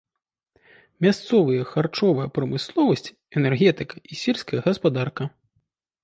Мясцовыя харчовая прамысловасць, энергетыка і сельская гаспадарка.